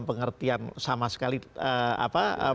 een terbaik itu deh